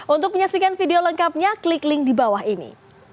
untuk menyaksikan video lengkapnya klik link di bawah ini